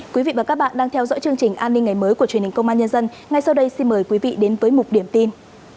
quý vị và các bạn đang theo dõi chương trình an ninh ngày mới của truyền hình công an nhân dân ngay sau đây xin mời quý vị đến với mục điểm tin